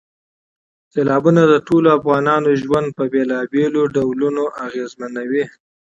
سیلابونه د ټولو افغانانو ژوند په بېلابېلو ډولونو اغېزمنوي.